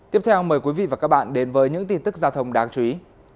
tiếp theo mời quý vị và các bạn đến với những tin tức giao thông đáng chú ý